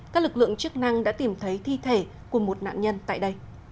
các lực lượng chức năng đã tìm thấy thi thể của một nạn nhân tại đây